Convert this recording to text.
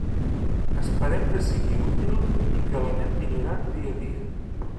Esperem que sigui útil i que l'anem millorant dia a dia.